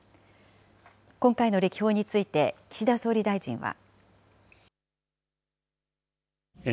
今回の歴訪について、岸田総理大臣は。